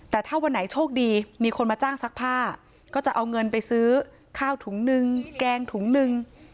แต่ถ้าวันไหนโชคดีมีคนมาจ้างซักผ้าก็จะเอาเงินไปซื้อข้าวถุงนึงแกงถุงหนึ่ง